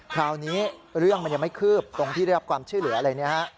คราวนี้เรื่องมันยังไม่คืบตรงที่เรียกรับความช่วยเหลืออะไร